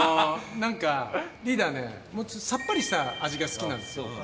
なんか、リーダーね、さっぱりした味が好きなんですよ。